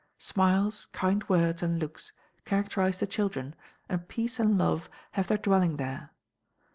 Smiles, kind words and looks, characterize the children, and peace and love have their dwelling there.